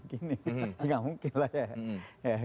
nggak mungkin lah ya